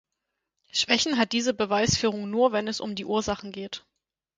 Schwächen hat diese Beweisführung nur, wenn es um die Ursachen geht.